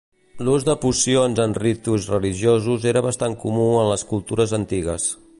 L'ús de pocions en ritus religiosos era bastant comú en les cultures antigues.